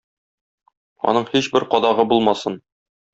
Аның һичбер кадагы булмасын.